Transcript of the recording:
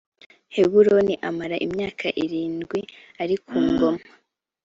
heburoni amara imyaka irindwi ari ku ngoma